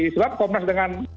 sebab komnas dengan